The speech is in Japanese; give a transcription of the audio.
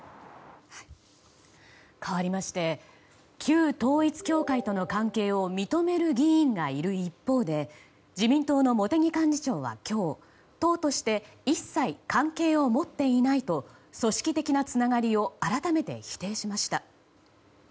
かわりまして旧統一教会との関係を認める議員がいる一方で自民党の茂木幹事長は今日、党として一切関係を持っていないと組織的なつながりを改めて否定しました。